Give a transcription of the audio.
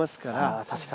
ああ確かに。